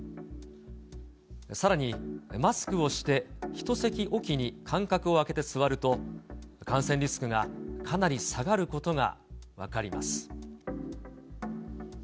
さらに、マスクをして１席置きに間隔を空けて座ると、感染リスクがかなり下がることが分かります。